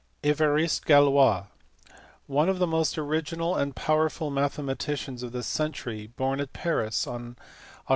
Evariste Galois, one of the most original and powerful mathematicians of this century, born at Paris on Oct.